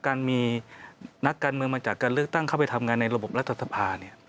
การมีนักการเมืองมาจากการเลือกตั้งเข้าไปทำงานในระบบรัฐสภา